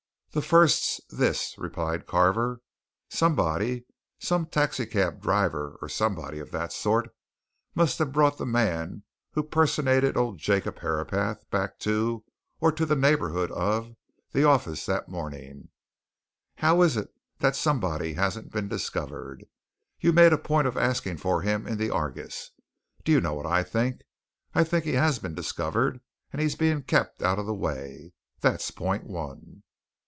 "The first's this," replied Carver. "Somebody some taxi cab driver or somebody of that sort must have brought the man who personated old Jacob Herapath back to, or to the neighbourhood of, the office that morning. How is it that somebody hasn't been discovered? You made a point of asking for him in the Argus. Do you know what I think? I think he has been discovered, and he's being kept out of the way. That's point one."